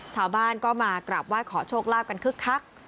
ชาวบ้านก็มากราบไหว้ขอโชคลาภกันคึกคัก